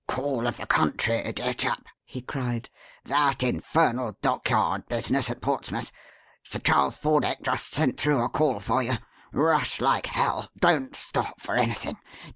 "Call of the Country, dear chap!" he cried. "That infernal dockyard business at Portsmouth. Sir Charles Fordeck just sent through a call for you. Rush like hell! Don't stop for anything!